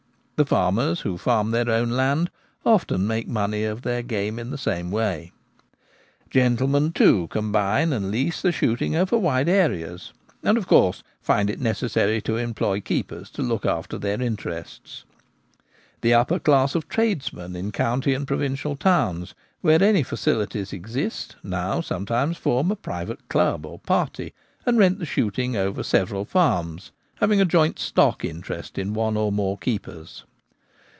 The farmers who farm their own land often make money of their game in the same way. Gentlemen, too, combine and lease the shooting over wide areas, and of course find it necessaiy to employ keepers to look after their interests. The upper class of tradesmen in county and provincial towns where any facilities exist now sometimes form a private club or party and rent the shooting over several farms, having a joint stock interest in one or more keepers.